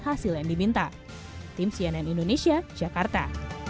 hasil yang diminta tim cnn indonesia jakarta